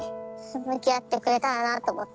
向き合ってくれたらなと思って。